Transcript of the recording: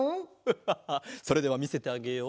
ハハハそれではみせてあげよう。